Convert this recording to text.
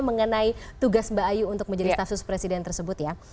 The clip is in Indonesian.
mengenai tugas mbak ayu untuk menjadi stafsus presiden tersebut ya